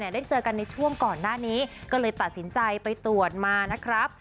ได้เจอกันในช่วงก่อนหน้านี้ก็เลยตัดสินใจไปตรวจมานะครับ